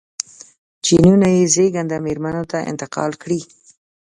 جینونه یې زېږنده مېرمنو ته انتقال کړي.